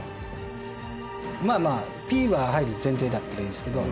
まぁまぁピーは入る前提だったらいいですけど。